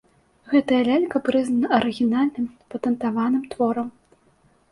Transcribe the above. Гэтая лялька прызнана арыгінальным, патэнтаваным творам.